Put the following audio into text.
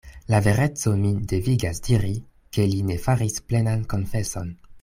La vereco min devigas diri, ke li ne faris plenan konfeson.